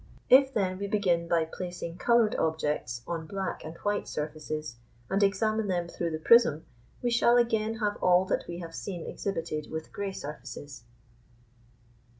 If then we begin by placing coloured objects on black and white surfaces, and examine them through the prism, we shall again have all that we have seen exhibited with grey surfaces.